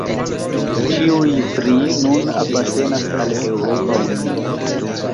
Ĉiuj tri nun apartenas al Eŭropa Unio.